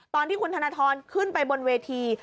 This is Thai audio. ตอนที่คุณธนทรขึ้นไปบนเวที